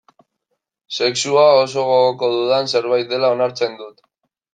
Sexua oso gogoko dudan zerbait dela onartzen dut.